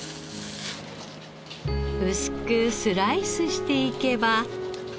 薄くスライスしていけば。